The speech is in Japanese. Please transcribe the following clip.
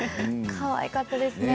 かわいかったですね。